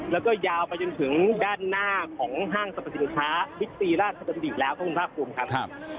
แล้วก็ยาวไปจนถึงด้านหน้าของห้างสรรพสินค้าทิศศรีราชดำริแล้วพระคุณภาคภูมิครับ